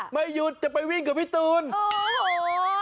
ไม่หยุดจะไปวิ่งกับพี่ตูน